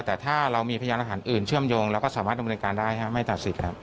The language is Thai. แต่ถ้าเรามีพยานอาหารอื่นเชื่อมโยงเราก็สามารถดำเนินการได้ไม่ตัดสิทธิ์ครับ